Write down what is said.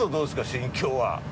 心境は。